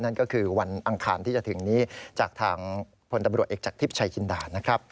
นั่นก็คือวันอังคารที่จะถึงนี้จากทางพลตำรวจเอกจากทิพย์ชัยจินดานะครับ